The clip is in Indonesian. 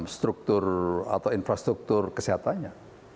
struktur atau infrastruktur kesehatannya